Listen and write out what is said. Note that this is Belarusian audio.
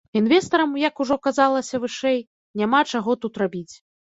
Інвестарам, як ужо казалася вышэй, няма чаго тут рабіць.